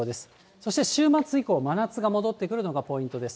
そして週末以降、真夏が戻ってくるのがポイントです。